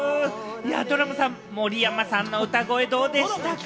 ドラムさん、森山さんの歌声どうでしたか？